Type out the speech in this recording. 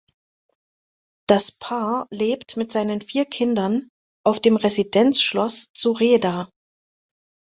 Das Paar lebt mit seinen vier Kindern auf dem Residenzschloss zu Rheda.